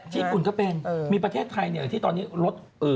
ญี่ปุ่นก็เป็นมีประเทศไทยที่ตอนนี้รถ